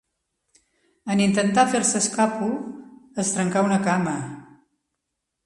En intentar fer-se escàpol, es trencà una cama.